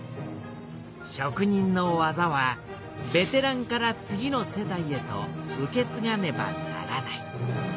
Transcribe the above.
職人の技はベテランから次の世代へと受けつがねばならない。